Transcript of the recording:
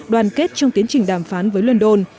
đoàn kết trong tiến trình đàm phán với london